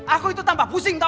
aku itu tampak pusing tau gak